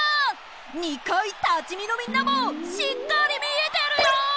２かいたちみのみんなもしっかりみえてるよ！